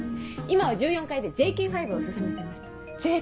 今は１４階で「ＪＫ５」を進めてます。